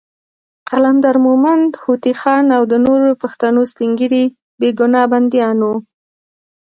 قلندر مومند، هوتي خان، او د نورو پښتنو سپین ږیري بېګناه بندیان وو.